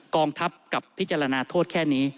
กองทัพกับพิจารณาโทษแค่นี้